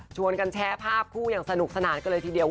กันแชร์ภาพคู่อย่างสนุกสนานกันเลยทีเดียว